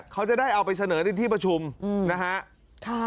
เขาจะได้เอาไปเสนอในที่ประชุมนะฮะ